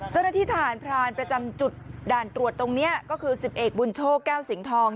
เจ้าหน้าที่ทหารพรานประจำจุดด่านตรวจตรงนี้ก็คือสิบเอกบุญโชคแก้วสิงห์ทอง